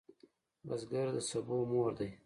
بزګر د سبو مور دی